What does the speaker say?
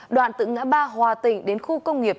đoạn từ ngã ba hòa tỉnh đến khu công nghiệp